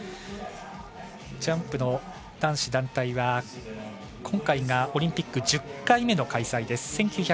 ジャンプの男子団体は今回がオリンピック１０回目の開催です。